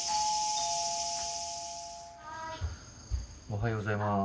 おはようございます。